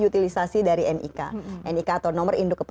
utilisasi dari nik nik atau nomor induk